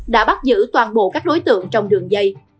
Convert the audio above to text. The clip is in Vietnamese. đã bắt giữ toàn bộ các đối tượng trong đường dây